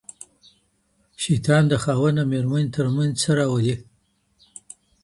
شيطان د خاوند او ميرمني تر منځ څه راولي؟